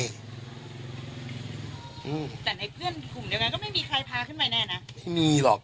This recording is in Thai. อืมแต่ในเพื่อนกลุ่มเดียวกันก็ไม่มีใครพาขึ้นไปแน่นะไม่มีหรอก